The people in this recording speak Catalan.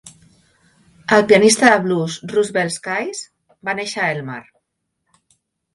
El pianista de blues Roosevelt Sykes va néixer a Elmar.